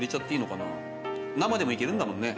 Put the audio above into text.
生でもいけるんだもんね。